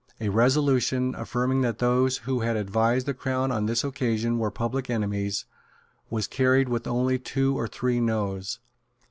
A resolution, affirming that those who had advised the Crown on this occasion were public enemies, was carried with only two or three Noes.